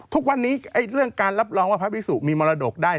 ทุกวันนี้เรื่องการรับรองว่าพระพิสุมีมรดกได้